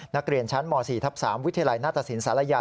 นักเรียนชั้นม๔ทับ๓วิทยาลัยหน้าตสินศาลายา